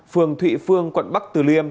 phường thụy phương quận bắc từ liêm